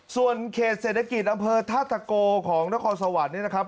ส่วนเขตเศรษฐกิจอำเภอธาตะโกของนครสวรรค์เนี่ยนะครับ